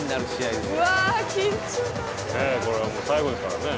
これはもう最後ですからね。